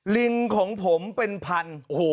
ลิงของผมเป็นพัน